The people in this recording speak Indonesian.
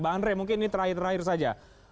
bang andre mungkin ini terakhir terakhir saja